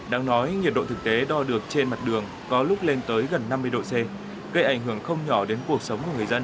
đáng nói nhiệt độ thực tế đo được trên mặt đường có lúc lên tới gần năm mươi độ c gây ảnh hưởng không nhỏ đến cuộc sống của người dân